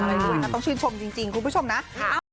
อะไรด้วยนะต้องชื่นชมจริงจริงคุณผู้ชมนะค่ะ